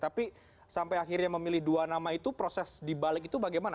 tapi sampai akhirnya memilih dua nama itu proses dibalik itu bagaimana